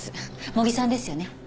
茂木さんですよね？